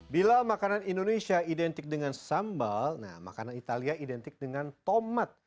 bila makanan indonesia identik dengan sambal makanan italia identik dengan tomat